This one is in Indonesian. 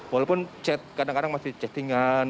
walaupun kadang kadang masih chatting an